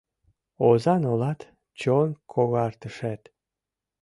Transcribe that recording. Озан олат — чон когартышет